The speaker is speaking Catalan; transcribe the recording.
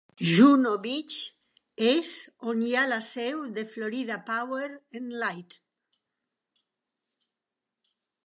Juno Beach és on hi ha la seu de Florida Power and Light.